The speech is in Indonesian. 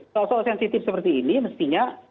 soal soal sensitif seperti ini mestinya